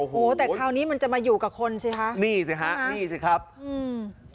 โอ้โหแต่คราวนี้มันจะมาอยู่กับคนสิคะนี่สิฮะนี่สิครับอืม